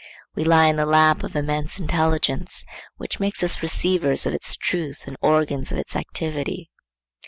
We lie in the lap of immense intelligence, which makes us receivers of its truth and organs of its activity.